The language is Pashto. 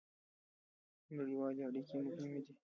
نړیوالې اړیکې مهمې دي